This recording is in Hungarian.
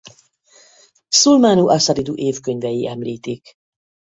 Sulmánu-asarídu évkönyvei említik.